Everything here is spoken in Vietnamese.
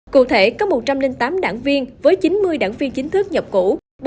cụ thể có một trăm linh tám đảng viên với chín mươi đảng viên chính thức nhập ngũ